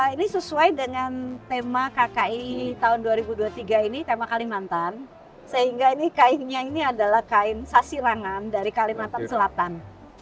ini sesuai dengan tema kki tahun dua ribu dua puluh tiga ini tema kalimantan sehingga ini kainnya ini adalah kain sasirangan dari kalimantan selatan